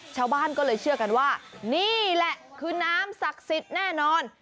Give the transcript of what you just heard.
ชาวบ้านก็เลยเชื่อกันว่านี่แหละคือน้ำศักดิ์สิทธิ์แน่นอน